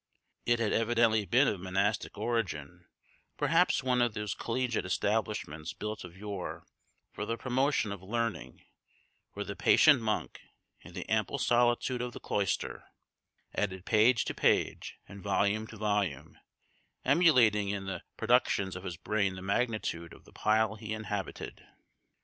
It had evidently been of monastic origin; perhaps one of those collegiate establishments built of yore for the promotion of learning, where the patient monk, in the ample solitude of the cloister, added page to page and volume to volume, emulating in the productions of his brain the magnitude of the pile he inhabited.